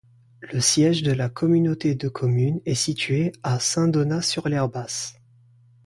Le siège de la communauté de communes est situé à Saint-Donat-sur-l'Herbasse.